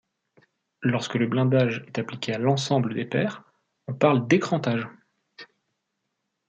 Lorsque le blindage est appliqué à l’ensemble des paires, on parle d’écrantage.